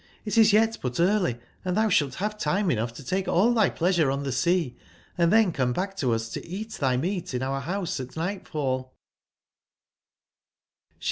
It is yet but early, & thou sbalt have time enough to take all thy pleasure on tbe sea, and then come back to us to cat thy mea t in our bouse at nightfall."